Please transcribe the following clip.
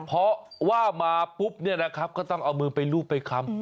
เพราะว่ามาปุ๊บเนี่ยนะครับก็ต้องเอามือไปรูปไปคำ